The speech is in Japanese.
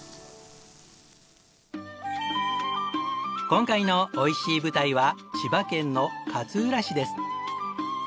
今回のおいしい舞台は千葉県の勝浦市です。